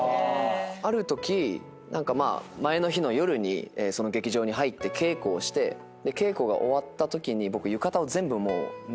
あるとき前の日の夜にその劇場に入って稽古をして稽古が終わったときに僕浴衣を全部脱いだ